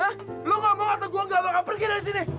hah lo ngomong atau gue gak akan pergi dari sini